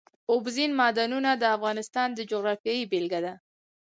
اوبزین معدنونه د افغانستان د جغرافیې بېلګه ده.